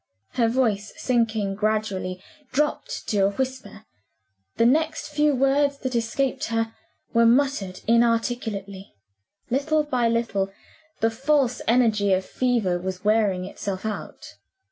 Her voice, sinking gradually, dropped to a whisper. The next few words that escaped her were muttered inarticulately. Little by little, the false energy of fever was wearing itself out.